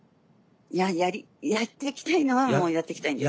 いややっていきたいのはもうやっていきたいんです。